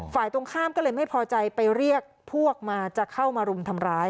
ตรงข้ามก็เลยไม่พอใจไปเรียกพวกมาจะเข้ามารุมทำร้าย